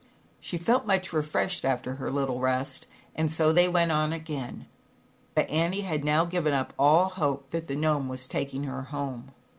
She felt much refreshed after her little rest, and so they went on again, but .nnie had now given up all hope that kthe Gnome was taking her home.